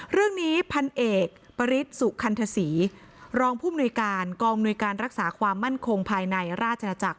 เรื่องนี้พันเอกปริศสุคันธศรีรองผู้มนุยการกองอำนวยการรักษาความมั่นคงภายในราชนาจักร